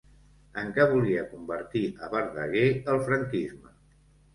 En què volia convertir a Verdaguer el franquisme?